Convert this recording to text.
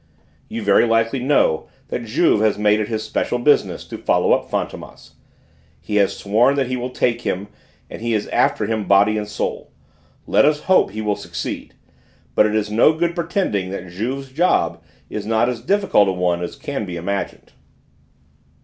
You very likely know that Juve has made it his special business to follow up Fantômas; he has sworn that he will take him, and he is after him body and soul. Let us hope he will succeed! But it is no good pretending that Juve's job is not as difficult a one as can be imagined.